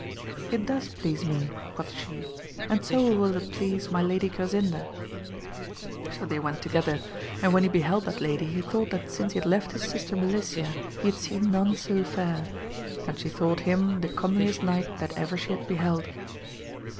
It does please me, quoth she, and so it will please my Lady Grasinda. So they went together, and when he beheld that lady he thought that since he had left his sister Melicia he had seen none so fair, and she thought him the comeliest knight that ever she had beheld.